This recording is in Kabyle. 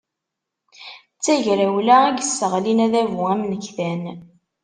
D tagrawla i yesseɣlin adabu amnekdan.